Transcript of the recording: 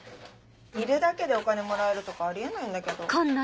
いるだけでお金もらえるとかあり得ないんだけど。